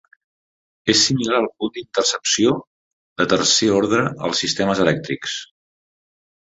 És similar al punt d'intercepció de tercer ordre als sistemes elèctrics.